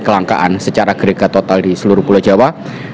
kelangkaan secara gregat total di seluruh pulau jawa